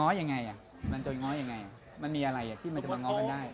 ยังไงอ่ะมันจะง้อยังไงมันมีอะไรที่มันจะมาง้อกันได้